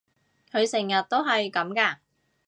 佢成日都係噉㗎？